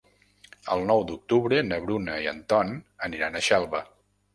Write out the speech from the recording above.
El nou d'octubre na Bruna i en Ton aniran a Xelva.